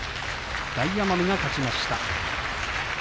大奄美が勝ちました。